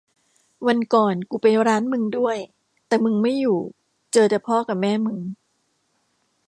วันก่อนกูไปร้านมึงด้วย แต่มึงไม่อยู่ เจอแต่พ่อกะแม่มึง